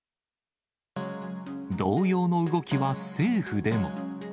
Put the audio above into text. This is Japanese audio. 同様の動きは政府でも。